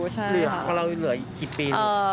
เพราะเราก็เหลืออีกกี่ปีหนึ่ง